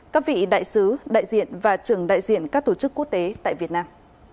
các vị đại sứ đại diện và trưởng đại diện các tổ chức quốc tế tại việt nam